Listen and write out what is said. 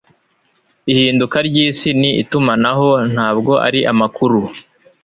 ihinduka ryisi ni itumanaho, ntabwo ari amakuru